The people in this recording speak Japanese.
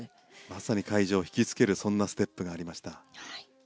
まさに会場を引きつけるそんなステップがありました。